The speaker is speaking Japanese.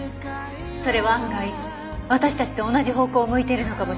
それは案外私たちと同じ方向を向いているのかもしれないわ。